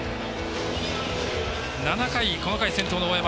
７回、この回先頭の大山。